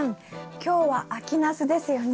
今日は秋ナスですよね？